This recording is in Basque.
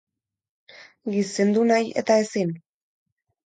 Gizendu nahi eta ezin?